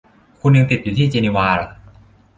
คุณยังติดอยู่ที่เจนีวาหรา